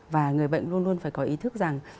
và người bệnh luôn luôn phải có ý thức rằng